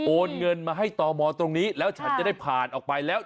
โอนเงินมาให้ตมตรงนี้แล้วฉันจะได้ผ่านออกไปแล้ว